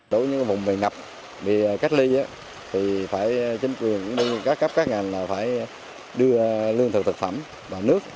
đối với những vùng bị ngập bị cách ly thì phải chính quyền các cấp các ngành phải đưa lương thực thực phẩm vào nước